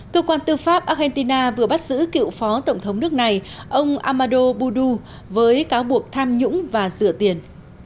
cơ quan tư pháp argentina vừa bắt giữ cựu phó tổng thống nước này ông amado budu với cáo buộc tham nhũng và rửa tiền